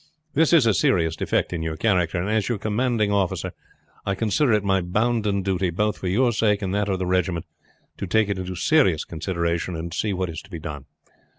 "This is a serious defect in your character; and as your commanding officer I consider it my bounden duty, both for your sake and that of the regiment, to take it into serious consideration and see what is to be done.